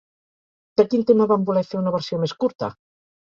De quin tema van voler fer una versió més curta?